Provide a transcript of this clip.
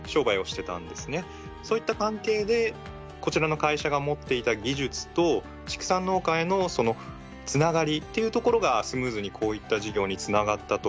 そういった関係でこちらの会社が持っていた技術と畜産農家へのそのつながりというところがスムーズにこういった事業につながったと聞いています。